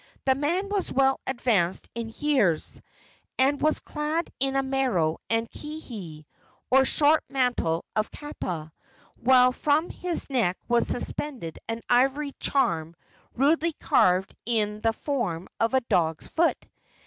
The man was well advanced in years, and was clad in a maro and kihei, or short mantle of kapa, while from his neck was suspended an ivory charm rudely carved into the form of a dog's foot.